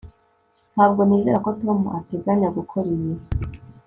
ntabwo nizera ko tom ateganya gukora ibi